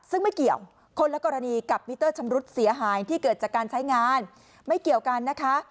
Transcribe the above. ซึ่งไม่เกี่ยวคนละกรณีกับมิเตอร์ชำรุดเสียหายที่เกิดจากการใช้งานไม่เกี่ยวกันนะคะ